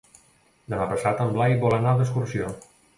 Demà passat en Blai vol anar d'excursió.